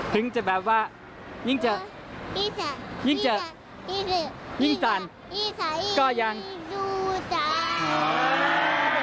ถึงจะแบบว่ายิ่งจะยิ่งจะยิ่งสั่นก็ยังสู้ตาย